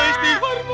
mak istighfar mak